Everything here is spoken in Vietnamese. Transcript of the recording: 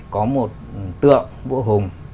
có một tượng vũ hùng